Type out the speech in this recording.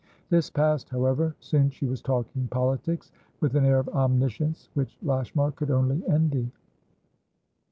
This passed, however; soon she was talking politics with an air of omniscience which Lashmar could only envy.